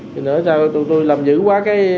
thì nữa sao tụi tui làm dữ quá cái